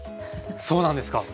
そうなんですか。